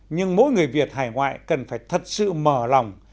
nhưng mỗi người việt hải ngoại cần phải thật sự mở lòng